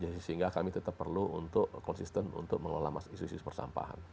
sehingga kami tetap perlu untuk konsisten untuk mengelola isu isu persampahan